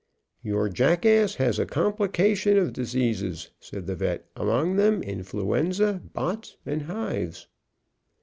"Your jackass has a complication of diseases," said the vet; "among them influenza, bots, and hives."